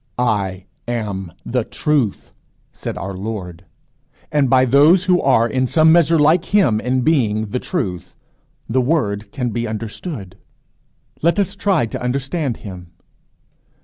"I am the truth," said our Lord; and by those who are in some measure like him in being the truth, the Word can be understood. Let us try to understand him.